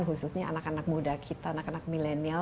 khususnya anak anak muda kita anak anak milenial